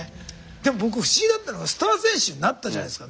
でも僕不思議だったのはスター選手になったじゃないですか。